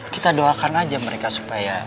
kita doakan aja mereka supaya